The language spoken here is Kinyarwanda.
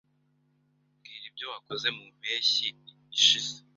Mbwira ibyo wakoze mu mpeshyi ishize.